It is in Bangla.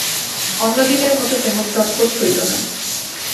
অন্যদিনের মতো তেমন চটপট হইল না।